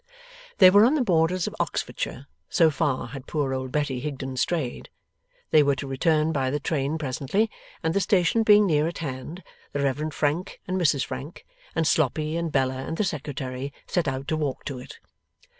They were on the borders of Oxfordshire, so far had poor old Betty Higden strayed. They were to return by the train presently, and, the station being near at hand, the Reverend Frank and Mrs Frank, and Sloppy and Bella and the Secretary, set out to walk to it.